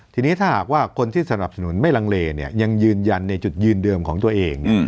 ทีนี้ถ้าหากว่าคนที่สนับสนุนไม่ลังเลยังยืนยันในจุดยืนเดิมของตัวเอง